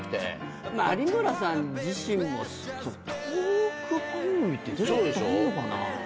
まあ有村さん自身もトーク番組って出たことあんのかな？